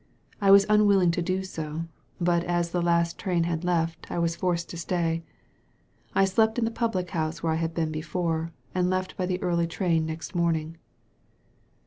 I was unwilling to do so, but as the last train had left I was forced to stay. I slept in the public house where I had been before, and left by the early train next morning."